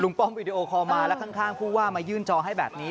ป้อมวิดีโอคอลมาแล้วข้างผู้ว่ามายื่นจอให้แบบนี้